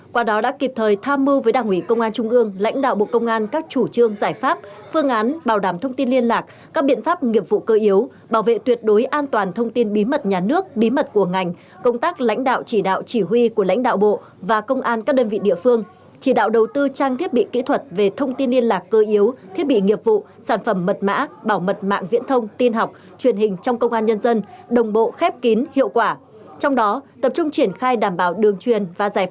qua đó đã kịp thời tham mưu với đảng ủy công an trung ương lãnh đạo bộ công an các chủ trương giải pháp phương án bảo đảm thông tin liên lạc các biện pháp nghiệp vụ cơ yếu bảo vệ tuyệt đối an toàn thông tin bí mật nhà nước bí mật của ngành công tác lãnh đạo chỉ đạo chỉ huy của lãnh đạo bộ và công an các đơn vị địa phương chỉ đạo đầu tư trang thiết bị kỹ thuật về thông tin liên lạc cơ yếu thiết bị nghiệp vụ sản phẩm mật mã bảo mật mạng viễn thông tin học truyền hình trong công an nhân dân